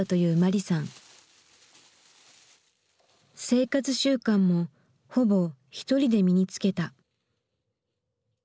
生活習慣もほぼひとりで身につけた。